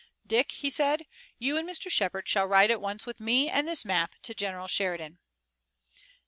"Dick," he said, "you and Mr. Shepard shall ride at once with me and this map to General Sheridan."